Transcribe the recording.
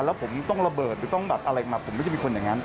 แล้วผมต้องระเบิดหรือต้องแบบอะไรมาผมก็จะมีคนอย่างนั้น